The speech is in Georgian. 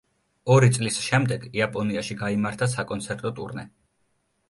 ორი წლის შემდეგ იაპონიაში გამართა საკონცერტო ტურნე.